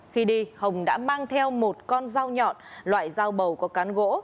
khi đi hồng đã mang theo một con dao nhọn loại dao bầu có cán gỗ